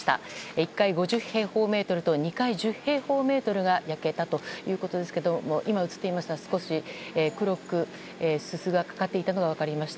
１階５０平方メートルと２階１０平方メートルが焼けたということですけども今、映っていましたが少し黒くすすがかかっていたのが分かりました。